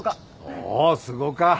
おおすごか！